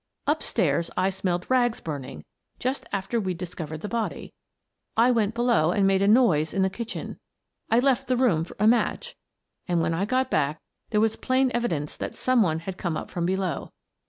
Up stairs, I smelled rags burning just after we'd discovered the body. I went below and made a noise in the kitchen. I left the room for a match, and when I got back there was plain evidence that some one had come up from below.